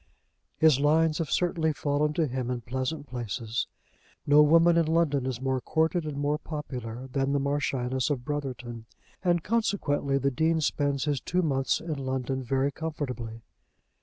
His lines have certainly fallen to him in pleasant places. No woman in London is more courted and more popular than the Marchioness of Brotherton, and consequently the Dean spends his two months in London very comfortably.